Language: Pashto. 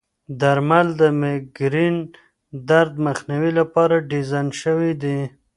درمل د مېګرین درد مخنیوي لپاره ډیزاین شوي دي.